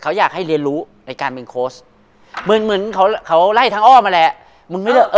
เขาอยากให้เรียนรู้ในการเป็นโค้ชเหมือนเขาไล่ทางอ้อมาแล้ว